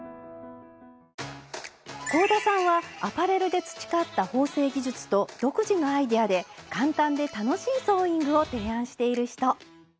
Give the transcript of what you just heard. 香田さんはアパレルで培った縫製技術と独自のアイデアで簡単で楽しいソーイングを提案している人。